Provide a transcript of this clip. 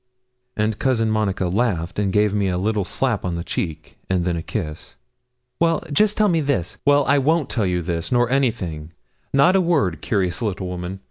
And Cousin Monica laughed, and gave me a little slap on the cheek, and then a kiss. 'Well, just tell me this ' 'Well, I won't tell you this, nor anything not a word, curious little woman.